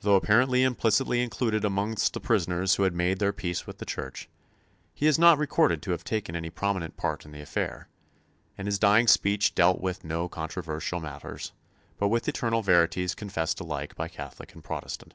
Though apparently implicitly included amongst the prisoners who had made their peace with the Church, he is not recorded to have taken any prominent part in the affair, and his dying speech dealt with no controversial matters, but with eternal verities confessed alike by Catholic and Protestant.